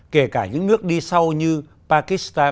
kể cả những nước đi sau như pakistan